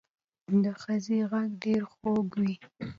د ښځې غږ ډېر خوږ وي